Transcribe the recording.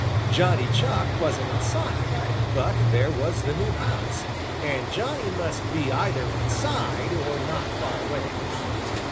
Johnny Chuck wasn't in sight, but there was the new house, and Johnny must be either inside or not far away.